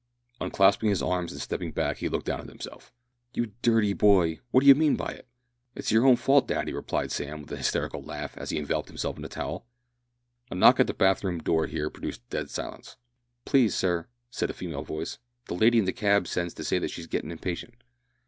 Unclasping his arms and stepping back, he looked down at himself. "You dirty boy! what d'you mean by it?" "It's your own fault, daddy," replied Sam, with a hysterical laugh, as he enveloped himself in a towel. A knock at the bath room door here produced dead silence. "Please, sir," said a female voice, "the lady in the cab sends to say that she's gettin' impatient."